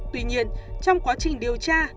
tuy nhiên trong quá trình điều tra